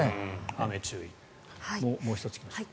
雨注意、もう１ついきましょうか。